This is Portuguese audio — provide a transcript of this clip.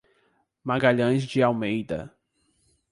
Magalhães de Almeida